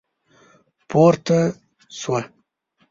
پورته شوه.